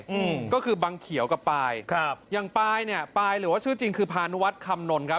อืมก็คือบังเขียวกับปายครับอย่างปายเนี้ยปายหรือว่าชื่อจริงคือพานุวัฒน์คำนลครับ